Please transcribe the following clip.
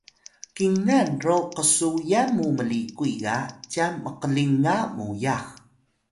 kingan ro qsuyan mu mlikuy ga cyan mqlinga muyax